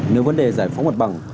nếu vấn đề giải phóng vật bằng